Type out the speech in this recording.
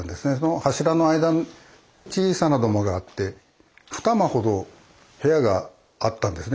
柱の間に小さな土間があって二間ほど部屋があったんですね。